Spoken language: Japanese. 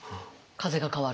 風が変わると。